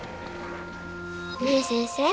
ねえ先生。